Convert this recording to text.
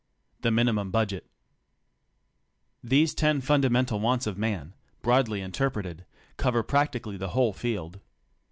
THE MINIMUM BUDGET These ten fundamental wants of man, broadly interpreted, cover practically the whole field.